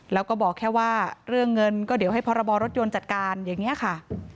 แล้วก็บอกแค่ว่าเรื่องเงินก็เดี๋ยวให้พรบรถยนต์จัดการอย่างนี้ค่ะ